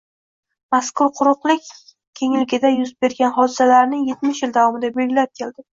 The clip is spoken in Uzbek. mazkur quruqlik kengligida yuz bergan hodisalarni yetmish yil davomida belgilab keldi.